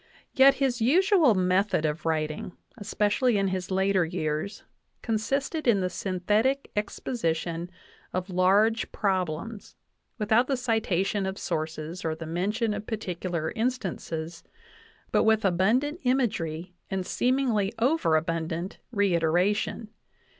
Yet his usual method of writing, especially in his later years, consisted in the synthetic exposition of large problems, without the citation of sources or the mention of particular instances, but with abundant imagery and seemingly overabundant reiteration.